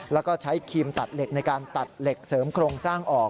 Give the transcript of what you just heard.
แล้วก็ใช้ครีมตัดเหล็กในการตัดเหล็กเสริมโครงสร้างออก